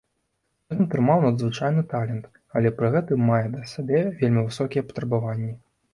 Ён атрымаў надзвычайны талент, але пры гэтым мае да сябе вельмі высокія патрабаванні.